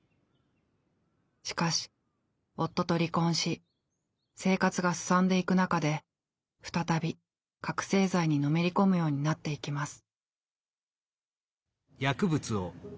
しかし夫と離婚し生活がすさんでいく中で再び覚醒剤にのめり込むようになっていきます。